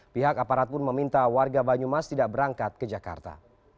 pihak aparat pun meminta warga banyumas tidak berangkat ke jakarta